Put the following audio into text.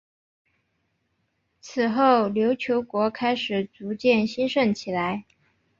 此后琉球国开始逐渐兴盛起来。